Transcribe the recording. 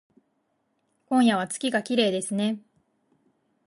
今夜は月がきれいですね